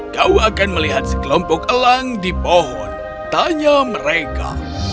kau akan melihat sekelompok elang di pohon tanya mereka